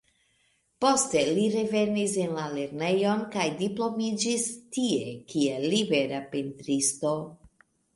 Poste li revenis en la Lernejon kaj diplomiĝis tie kiel libera pentristo.